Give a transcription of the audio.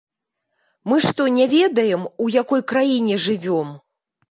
Мы што не ведаем, у якой краіне жывём?